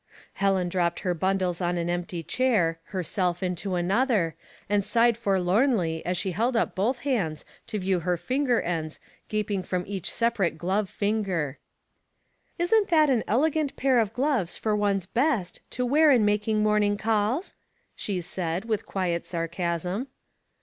Helen dropped her bundles on an empty chair, herself into another, and sighed forlornly as she held up both hands to view her finger ends gaping from each separate glove finger. ''Split Thingar 7 *' Isn't that an elegant pair of gloves for one's best to wear in making morning calls?*' she said, with quiet sarcasm.